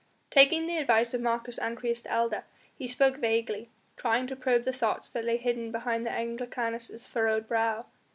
Taking the advice of Marcus Ancyrus the elder, he spoke vaguely, trying to probe the thoughts that lay hidden behind the Anglicanus' furrowed brow.